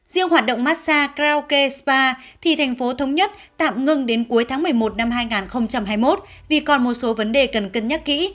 riêng hoạt động massage karaoke spa thì thành phố thống nhất tạm ngưng đến cuối tháng một mươi một năm hai nghìn hai mươi một vì còn một số vấn đề cần cân nhắc kỹ